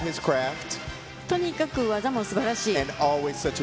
とにかく技もすばらしい。